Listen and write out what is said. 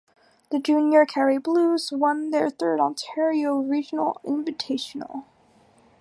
The Junior Kerry Blues won their third Ontario Regional Invitational.